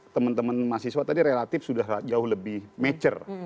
teman teman mahasiswa tadi relatif sudah jauh lebih mature